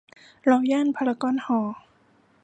รอยัลพารากอนฮอลล์